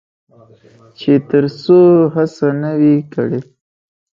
چې تر څو هڅه نه وي کړې.